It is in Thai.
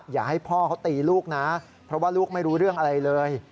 อย่าให้พ่อเขาตีลูกนะเพราะว่าลูกไม่รู้เรื่องอะไรเลย